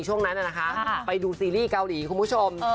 ช่วงนั้นนะคะไปดูซีรีส์เกาหลีคุณผู้ชม